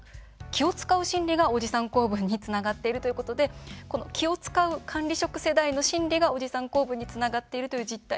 気を遣う心理がおじさん構文につながっているということで気を遣う管理職世代の心理がおじさん構文につながっているという実態